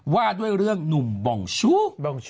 ว่าด้วยเรื่องหนุ่มบองชู้